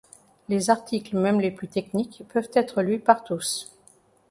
Les articles même les plus techniques peuvent être lus par tous.